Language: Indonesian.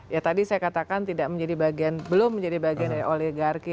ya tadi saya katakan belum menjadi bagian dari oligarki